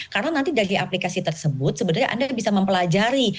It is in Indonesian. karena nanti dari aplikasi tersebut sebenarnya anda bisa mempelajari